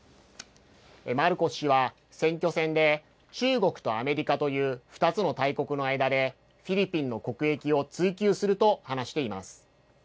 マルコス氏は選挙戦で、中国とアメリカという２つの大国の間で、フィリピンの国益を追求すると話しています。